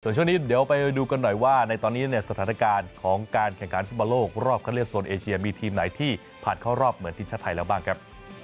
ช่วงนี้เดี๋ยวไปดูกันหน่อยว่าในตอนนี้เนี่ยสถานการณ์ของการแข่งขันฟุตบอลโลกรอบคันเลือกโซนเอเชียมีทีมไหนที่ผ่านเข้ารอบเหมือนทีมชาติไทยแล้วบ้างครับ